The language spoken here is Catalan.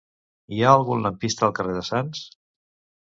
Hi ha algun lampista al carrer de Sants?